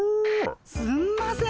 すんません。